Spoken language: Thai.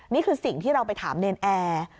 นี่คือสิ่งที่เราไปถามเนรนแอร์